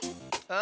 あ